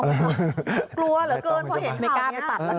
กลัวเหรอเกินเพราะเห็นข่าวนี้